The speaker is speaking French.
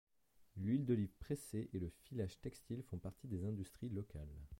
L'huile d'olive pressée et le filage textile font partie des industries locales.